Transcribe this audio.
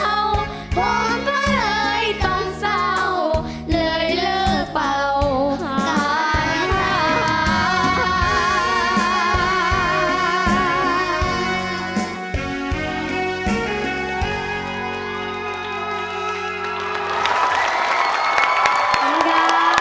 ผมก็เลยต้องเศร้า